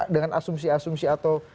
dengan asumsi asumsi atau